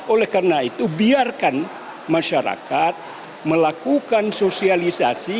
oleh karena itu biarkan masyarakat melakukan sosialisasi